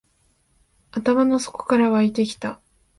頭の底から湧いてきた